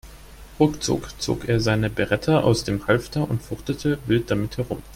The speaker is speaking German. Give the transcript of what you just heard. Ruckzuck zog er seine Beretta aus dem Halfter und fuchtelte wild damit herum.